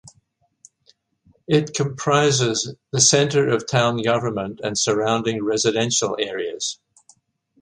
It comprises the center of town government and surrounding residential areas.